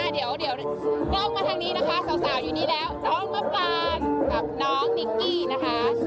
เดี๋ยวกล้องมาทางนี้นะคะสาวอยู่นี้แล้วน้องมะปานกับน้องนิกกี้นะคะ